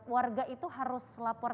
warga itu harus lapor